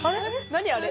何あれ？